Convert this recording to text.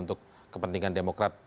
untuk kepentingan demokrat